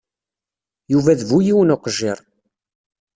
Yuba d bu yiwen uqejjir.